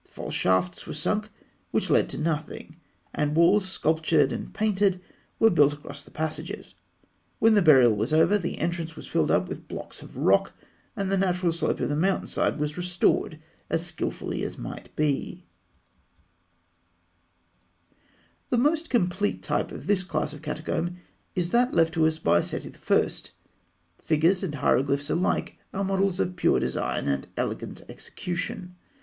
False shafts were sunk which led to nothing, and walls sculptured and painted were built across the passages. When the burial was over, the entrance was filled up with blocks of rock, and the natural slope of the mountain side was restored as skilfully as might be. [Illustration: Fig. 159. Wall painting of the Fields of Aalû, tomb of Rameses III.] The most complete type of this class of catacomb is that left to us by Seti I.; figures and hieroglyphs alike are models of pure design and elegant execution.